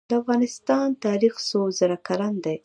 د افغانستان تاریخ څو زره کلن دی؟